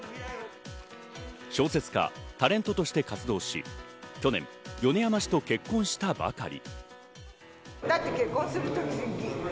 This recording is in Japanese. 小説家、タレントとして活動し、去年、米山氏と結婚したばかり。